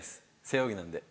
背泳ぎなんで！